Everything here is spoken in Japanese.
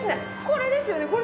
これですよね。